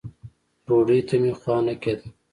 ډوډۍ ته مې خوا نه کېده.